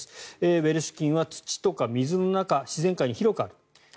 ウエルシュ菌は土とか水の中自然界に広くある。